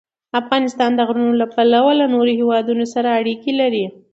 افغانستان د غرونه له پلوه له نورو هېوادونو سره اړیکې لري.